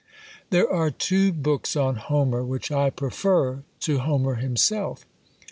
"There are two books on Homer, which I prefer to Homer himself.